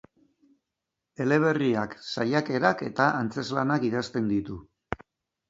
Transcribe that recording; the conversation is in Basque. Eleberriak, saiakerak eta antzezlanak idazten ditu.